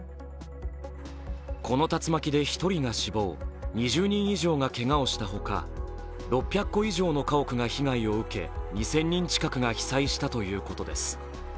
この竜巻で１人が死亡、２０人以上がけがをしたほか６００戸以上の家屋が被害を受け２０００人近くが被災したということです。